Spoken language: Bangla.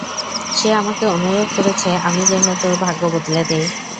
সে আমাকে অনুরোধ করেছে আমি যেনো তোর ভাগ্য বদলে দেই।